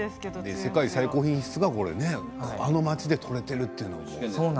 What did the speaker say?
世界最高品質があの町で採られているというのも。